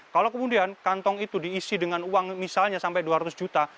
kalau kemudian kantong itu diisi dengan uang misalnya sampai dua ratus juta